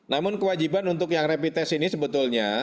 namun kewajiban untuk yang rapid test ini sebetulnya